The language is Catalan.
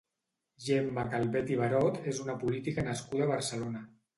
Gemma Calvet i Barot és una política nascuda a Barcelona.